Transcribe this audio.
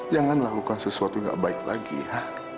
jangan lakukan sesuatu yang gak baik lagi ya